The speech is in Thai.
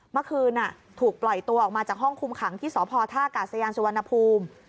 เมื่อคืนถูกปล่อยตัวออกมาจากห้องคุมขังที่สพท่ากาศยานสุวรรณภูมิ